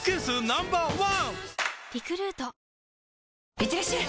いってらっしゃい！